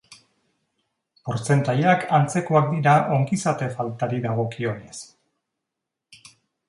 Portzentaiak antzekoak dira ongizate faltari dagokionez.